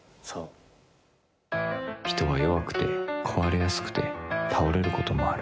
「人は弱くて壊れやすくて倒れることもある」